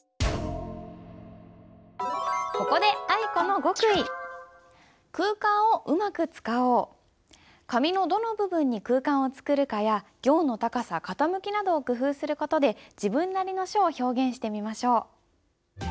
ここで紙のどの部分に空間を作るかや行の高さ傾きなどを工夫する事で自分なりの書を表現してみましょう。